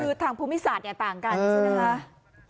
คือทางภูมิศาสตร์เนี่ยต่างกันใช่ไหมคะ